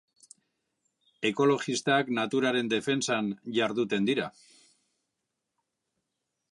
Ekologistak naturaren defentsan jarduten dira.